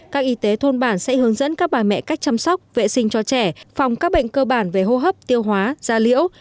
các y tế thôn bản sẽ hướng dẫn các bà mẹ cách chăm sóc vệ sinh cho trẻ phòng các bệnh cơ bản về hô hấp tiêu hóa da liễu